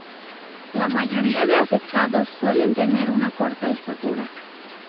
La mayoría de afectados suelen tener una corta estatura.